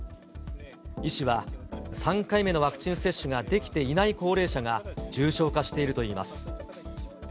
医師は、３回目のワクチン接種ができていない高齢者が重症化しているといいます。